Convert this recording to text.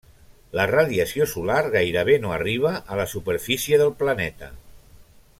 La radiació solar gairebé no arriba a la superfície del planeta.